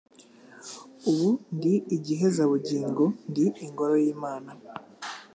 Ubu ndi igihezabugingo, ndi ingoro y'Imana